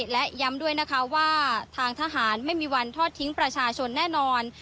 และย้ำด้วยนะคะว่าทางทหารไม่มีวันทอดทิ้งประชาชนแน่นอน